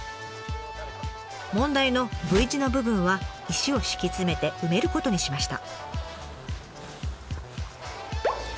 問題のＶ字の部分は石を敷き詰めて埋めることにしました。